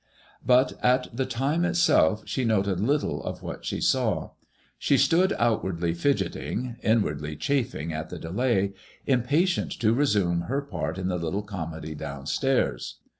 But at the time itself she noted little of what she saw. She stood outwardly fidget ing, inwardly chafing at the delay, impatient to resume her part in the little comedy down stairs.